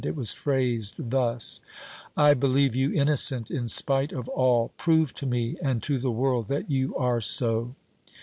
It was phrased thus: "I believe you innocent in spite of all! Prove to me and to the world that you are so."